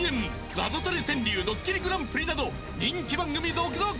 「ナゾトレ川柳」「ドッキリＧＰ」など人気番組続々。